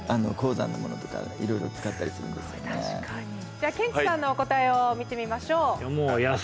じゃあケンチさんのお答えを見てみましょう。